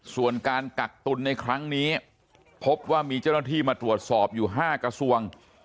ส่วนการกักตุลในครั้งนี้พบว่ามีเจ้าหน้าที่มาตรวจสอบอยู่๕กระทรวง